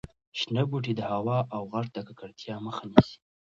شنه بوټي د هوا او غږ د ککړتیا مخه نیسي.